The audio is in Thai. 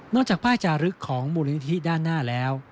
จากป้ายจารึกของมูลนิธิด้านหน้าแล้ว